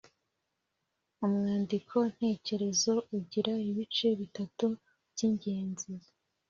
Umwandiko ntekerezo ugira ibice bitatu by’ingenzi: